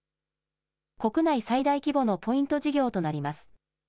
国内最大規模のポイント事業となります。